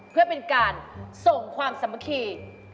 เพื่อเป็นการส่งความสามัคคี